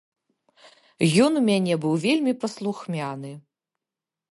Ён у мяне быў вельмі паслухмяны.